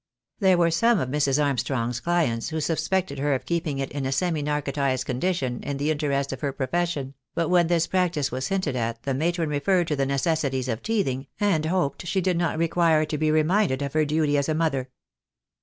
There were some of Mrs. Armstrong's clients who suspected her of keeping it in a semi narcotized condition in the interests of her profession; but when this practice was hinted at the matron referred to the necessities of teething, and hoped she did not require to be reminded of her duty as a mother.